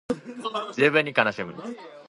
十分に悲しむ